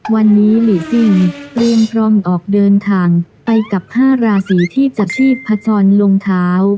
วันนี้หลีซิ่งเตรียมพร้อมออกเดินทางไปกับ๕ราศีที่จะชีพผจรลงเท้า